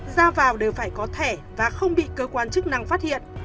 ra vào đều phải có thẻ và không bị cơ quan chức năng phát hiện